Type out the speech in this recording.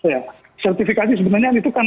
ya sertifikasi sebenarnya itu kan